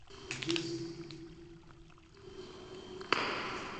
მამამისი ხოსრო არქიეპისკოპოსი იყო.